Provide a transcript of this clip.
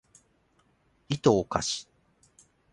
いとをかし